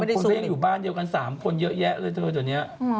บางคนเปลี่ยนอยู่บ้านเดียวกัน๓คนเยอะแยะเลยเถอะจนเนี่ย